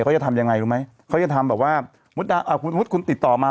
เนี้ยเขาจะทำยังไงรู้ไหมเขาทำแบบว่าปุ๊บถอยมา